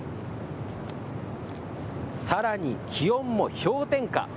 さらに気温も氷点下。